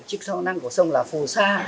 chức năng của sông là phù sa